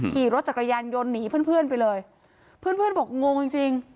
ขี่รถจากกระยันยนต์หนีเพื่อนไปเลยเพื่อนบอกงงจริง